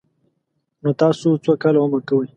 _نو تاسو څو کاله عمر کوئ؟